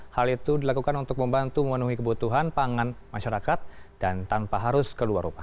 hal itu dilakukan untuk membantu memenuhi kebutuhan pangan masyarakat dan tanpa harus keluar rumah